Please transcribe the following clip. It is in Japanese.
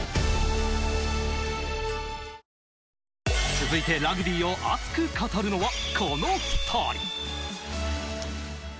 続いてラグビーを熱く語るのはこのお２人。